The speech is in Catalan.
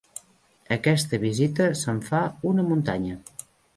Aquesta visita se'm fa una muntanya.